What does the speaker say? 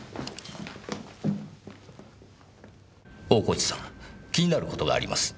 大河内さん気になる事があります。